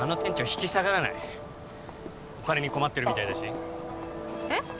引き下がらないお金に困ってるみたいだしえっ？